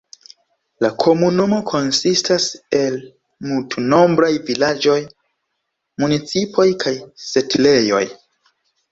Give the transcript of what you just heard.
La komunumo konsistas el multnombraj vilaĝoj, municipoj kaj setlejoj.